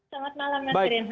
selamat malam mas kerenha